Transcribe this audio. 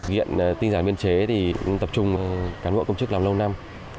hiện tinh giản biên chế thì tập trung cán bộ công chức làm lâu năm